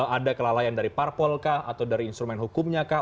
ada kelalaian dari parpol kah atau dari instrumen hukumnya kah